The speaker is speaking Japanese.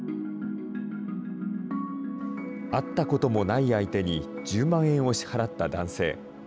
会ったこともない相手に１０万円を支払った男性。